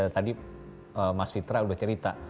tadi mas fitra sudah cerita